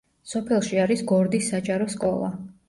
სოფელში არის გორდის საჯარო სკოლა.